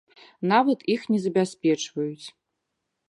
Нават іх не забяспечваюць!!!